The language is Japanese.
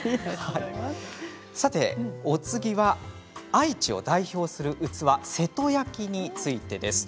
お次は愛知を代表する器瀬戸焼についてです。